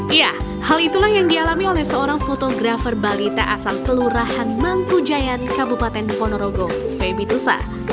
iya hal itulah yang dialami oleh seorang fotografer balita asal kelurahan mangku jayan kabupaten ponorogo febitusa